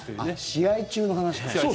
試合中の話か。